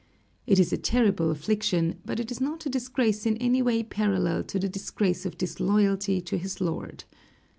It is a terrible affliction, but it is not a disgrace in any way parallel to the disgrace of disloyalty to his lord.